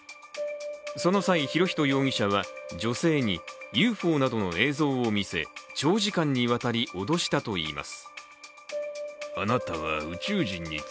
その際、博仁容疑者は、女性にＵＦＯなどの映像を見せ長時間にわたり脅したといいます。